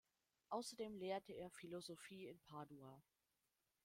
Außerdem lehrte er Philosophie in Padua.